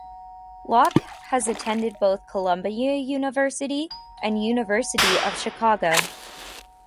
Locke has attended both Columbia University and University of Chicago.